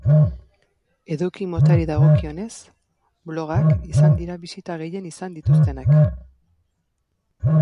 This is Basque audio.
Eduki motari dagokionez, blogak izan dira bisita gehien izan dituztenak.